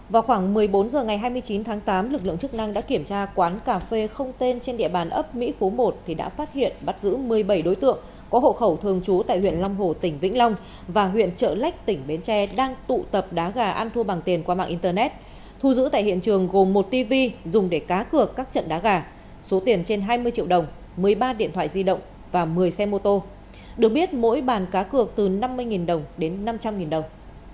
vào khoảng một mươi bốn h ngày hai mươi chín tháng tám lực lượng chức năng đã kiểm tra quán cà phê không tên trên địa bàn ấp mỹ phú một thì đã phát hiện bắt giữ một mươi bảy đối tượng có hộ khẩu thường trú tại huyện long hồ tỉnh vĩnh long và huyện chợ lách tỉnh bến tre đang tụ tập đá gà ăn thua bằng tiền qua mạng internet thu giữ tại hiện trường gồm một tv dùng để cá cược các trận đá gà số tiền trên hai mươi triệu đồng một mươi ba điện thoại di động và một mươi xe mô tô được biết mỗi bàn cá cược từ năm mươi đồng đến năm trăm linh đồng